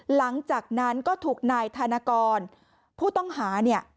หลังจากนั้นก็ถูกนายธนกรผู้ต้องหาเนี่ย